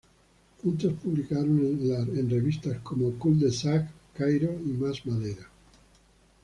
Juntos publicaron en revistas como "Cul-de-Sac", "Cairo", "Más Madera!